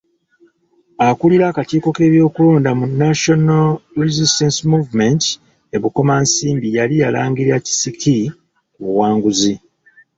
Akulira akakiiko k'ebyokulonda mu National Resistance Movement e Bukomansimbi yali yalangirira Kisiki ku buwanguzi.